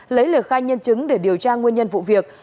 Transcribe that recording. lấy lời khai nhân chứng để điều tra nguyên nhân vụ việc